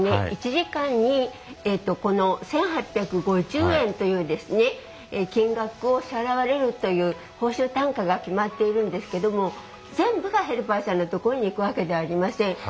１時間に１，８５０円という金額を支払われるという報酬単価が決まっているんですけども全部がヘルパーさんのところにいくわけではありません。